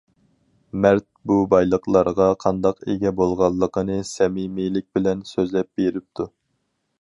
مەرد بۇ بايلىقلارغا قانداق ئىگە بولغانلىقىنى سەمىمىيلىك بىلەن سۆزلەپ بېرىپتۇ.